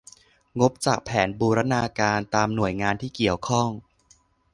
งบจากแผนบูรณาการ ตามหน่วยงานที่เกี่ยวข้อง